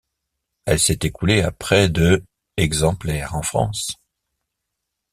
Elle s'est écoulée à près de exemplaires en France.